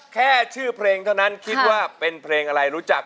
แค่ชื่อเพลงเท่านั้นคิดว่าเป็นเพลงอะไรรู้จัก